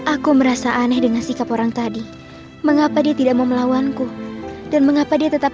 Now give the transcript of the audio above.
aku merasa aneh dengan sikap orang tadi mengapa dia tidak mau melawanku dan mengapa dia tetap